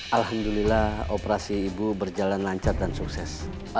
alhamdulillah operasi ibu berjalan lancar dan sukses